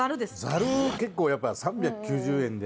ざる結構やっぱり３９０円で。